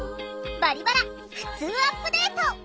「バリバラふつうアップデート」！